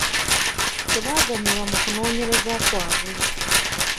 Tebaaganyulwa mu kunoonyereza kwabwe.